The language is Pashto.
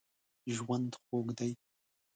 ژوند خوږ دی.